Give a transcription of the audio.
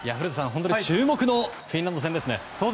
本当に注目のフィンランド戦ですね。